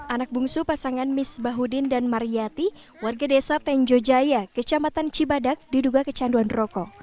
anak bungsu pasangan misbahudin dan mariyati warga desa tenjojaya kecamatan cibadak diduga kecanduan rokok